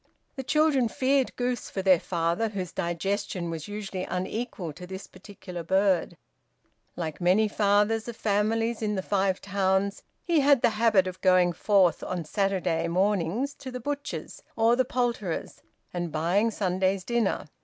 The children feared goose for their father, whose digestion was usually unequal to this particular bird. Like many fathers of families in the Five Towns, he had the habit of going forth on Saturday mornings to the butcher's or the poulterer's and buying Sunday's dinner.